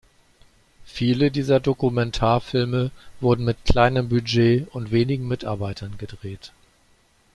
Viele diese Dokumentarfilme wurden mit kleinem Budget und wenigen Mitarbeiten gedreht.